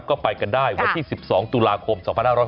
ก็ไปกันได้วันที่๑๒ตุลาคม๒๕๖๐